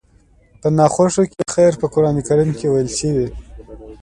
په ناخوښو کې خير په قرآن کريم کې ويل شوي.